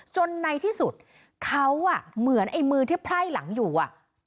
ในที่สุดเขาเหมือนไอ้มือที่ไพร่หลังอยู่อ่ะ